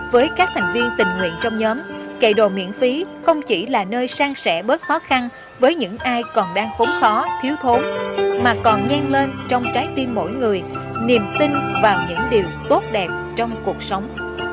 với các thành viên tình nguyện trong nhóm kề đồ miễn phí không chỉ là nơi sang sẻ bớt khó khăn với những ai còn đang khốn khó thiếu thốn mà còn nhăn lên trong trái tim mỗi người niềm tin vào những điều tốt đẹp trong cuộc sống